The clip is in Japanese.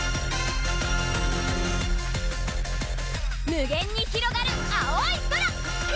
無限にひろがる青い空！